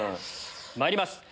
まいります。